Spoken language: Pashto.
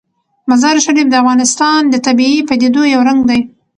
مزارشریف د افغانستان د طبیعي پدیدو یو رنګ دی.